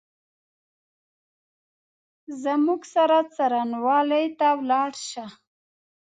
زموږ سره څارنوالۍ ته ولاړ شه !